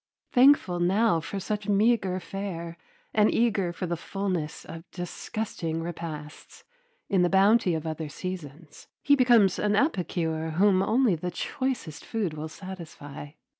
Thankful now for such meagre fare and eager for the fullness of disgusting repasts, in the bounty of other seasons, he becomes an epicure whom only the choicest food will satisfy.